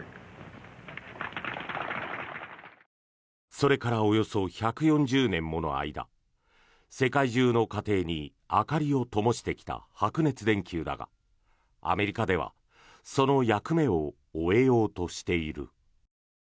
それからおよそ１４０年もの間世界中の家庭に明かりをともしてきた白熱電球だがアメリカではその役目を終えようとしている。